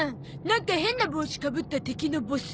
なんか変な帽子かぶった敵のボス。